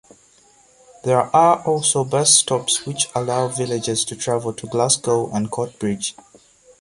There are also bus stops which allow villagers to travel to Glasgow and Coatbridge.